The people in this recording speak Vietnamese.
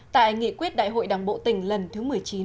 tại nghị quyết đại hội đảng bộ tỉnh lần thứ một mươi chín